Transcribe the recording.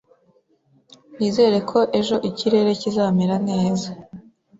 Nizere ko ejo ikirere kizamera neza.